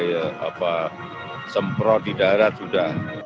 ya semprot di darat sudah